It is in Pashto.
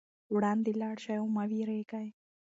وړاندې لاړ شئ او مه وېرېږئ.